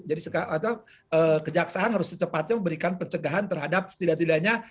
jadi kejaksaan harus secepatnya memberikan pencegahan terhadap setidak tidaknya